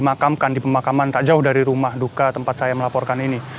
dimakamkan di pemakaman tak jauh dari rumah duka tempat saya melaporkan ini